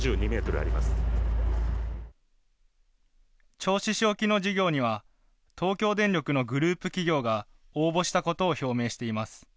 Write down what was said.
銚子市沖の事業には東京電力のグループ企業が応募したことを表明しています。